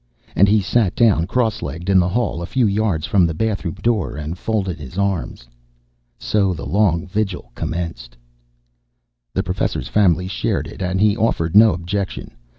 And he sat down cross legged in the hall a few yards from the bathroom door and folded his arms. So the long vigil commenced. The Professor's family shared it and he offered no objection.